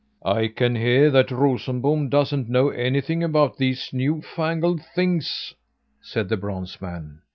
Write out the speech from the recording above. "I can hear that Rosenbom doesn't know anything about these new fangled things," said the bronze man.